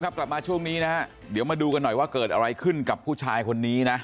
กลับมาช่วงนี้นะฮะเดี๋ยวมาดูกันหน่อยว่าเกิดอะไรขึ้นกับผู้ชายคนนี้นะ